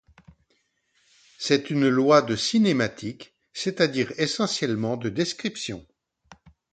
C'est une loi de cinématique c'est-à-dire essentiellement de description.